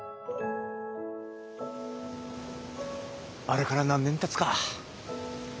あれから何年たつか？